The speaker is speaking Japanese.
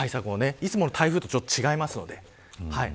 いつもの台風と違いますので。